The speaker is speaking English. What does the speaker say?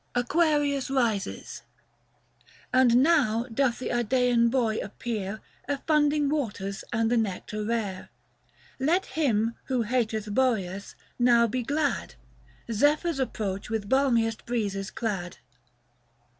AQUARIUS RISES. And now doth the Idsean boy appear 145 Effunding waters and the nectar rare. Let him, who hateth Boreas, now be glad ; Zephyrs approach with balmiest breezes clad.